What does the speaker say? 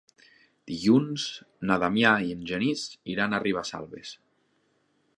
Dilluns na Damià i en Genís iran a Ribesalbes.